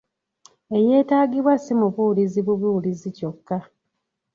Eyeetaagibwa si mubuulizi bubuulizi kyokka.